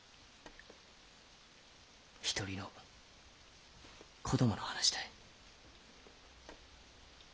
一人の子供の話たい。